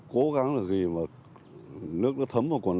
cố gắng là ghi mà nước nó thấm vào quần áo